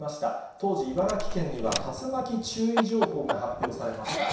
当時、茨城県には竜巻注意情報が発表されていました。